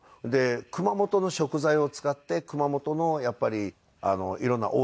熊本の食材を使って熊本のやっぱり色んな応援ができるお店。